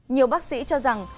nhiều bác sĩ cho rằng